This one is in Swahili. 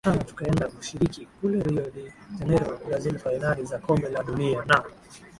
aa tukaenda kushiriki kule rio de janero brazil fainali za kombe la dunia na